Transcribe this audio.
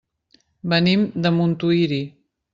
Venim de Montuïri.